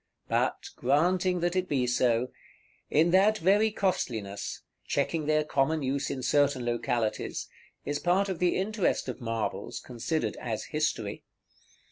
But, granting that it be so, in that very costliness, checking their common use in certain localities, is part of the interest of marbles, considered as history.